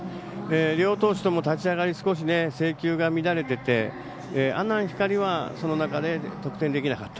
両投手とも立ち上がり少し制球が乱れてて阿南光はその中で得点できなかった。